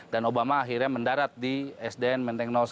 obama akhirnya mendarat di sdn menteng satu